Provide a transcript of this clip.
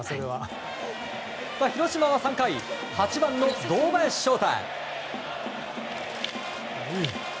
広島は３回８番の堂林翔太。